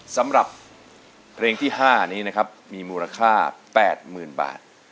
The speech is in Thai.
สำหรับเพลงที่๕นี้นะครับมีมูลค่า๘๐๐๐บาท